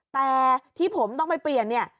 แต่ที่ผมต้องไปเปลี่ยนเนี่ย